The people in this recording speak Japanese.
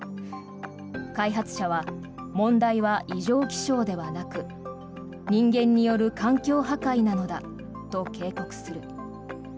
開発者は問題は異常気象ではなく人間による環境破壊なのだと警告する。